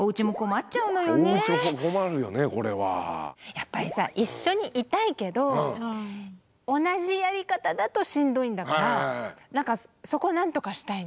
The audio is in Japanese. やっぱりさ一緒にいたいけど同じやり方だとしんどいんだからなんかそこを何とかしたいね。